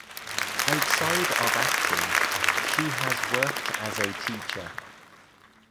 Outside of acting, she has worked as a teacher.